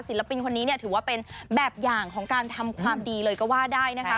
ปินคนนี้เนี่ยถือว่าเป็นแบบอย่างของการทำความดีเลยก็ว่าได้นะคะ